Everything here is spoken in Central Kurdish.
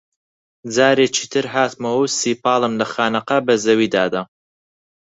جارێکی تر هاتمەوە و سیپاڵم لە خانەقا بە زەویدا دا